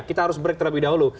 kita harus break terlebih dahulu